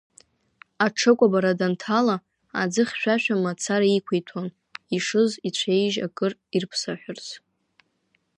Аҽыкәабарҭа данҭала, аӡы хьшәашәа мацара иқәиҭәон, ишыз ицәеижь акыр ирԥсаҳәырц.